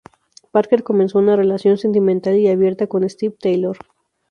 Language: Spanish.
Parker comenzó una relación sentimental y abierta con Steve Taylor.